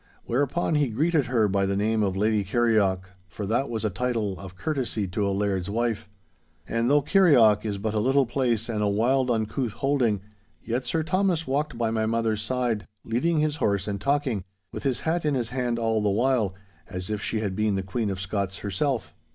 Whereupon he greeted her by the name of Lady Kirrieoch, for that was a title of courtesy to a laird's wife. And though Kirrieoch is but a little place and a wild, uncouth holding, yet Sir Thomas walked by my mother's side, leading his horse and talking, with his hat in his hand all the while, as if she had been the Queen of Scots herself.